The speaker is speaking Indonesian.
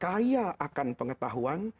kaya akan pengetahuan